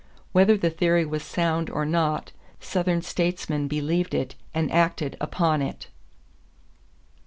Whether the theory was sound or not, Southern statesmen believed it and acted upon it.